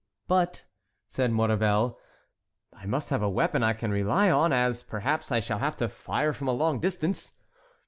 "But," said Maurevel, "I must have a weapon I can rely on, as, perhaps, I shall have to fire from a long distance."